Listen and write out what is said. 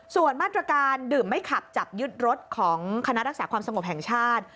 ส่วนมาตรการดื่มไม่ขับจับยึดรถของคณะรักษาความสงบแห่งชาติ